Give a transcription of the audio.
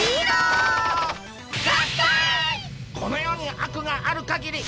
この世に悪がある限り。